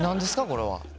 これは。